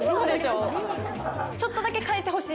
ちょっとだけ変えてほしい。